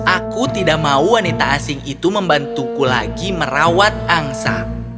aku tidak mau wanita asing itu membantuku lagi merawat angsa